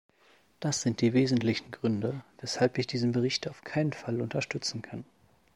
Das sind die wesentlichen Gründe, weshalb ich diesen Bericht auf keinen Fall unterstützen kann.